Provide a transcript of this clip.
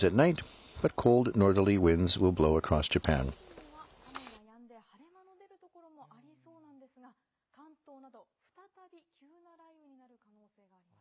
昼過ぎには、雨がやんで晴れ間の出る所もありそうなんですが、関東など、再び急な雷雨になる可能性があります。